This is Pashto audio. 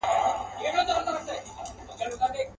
هلک چیغه کړه پر مځکه باندي پلن سو.